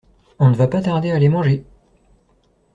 On ne va pas tarder à aller manger!